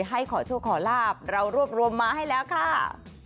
ให้ขอโชคขอลาบเรารวบรวมมาให้แล้วค่ะ